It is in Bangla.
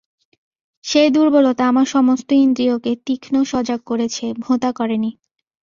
সেই দুর্বলতা আমার সমস্ত ইন্দ্রিয়কে তীক্ষ্ণ, সজাগ করেছে, ভোঁতা করেনি।